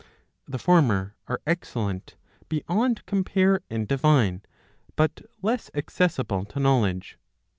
The former are excellent beyond compare and divine, but less accessible to know ledge.